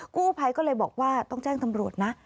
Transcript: กู้ภัยก็เลยบอกว่าต้องแจ้งตำรวจนะ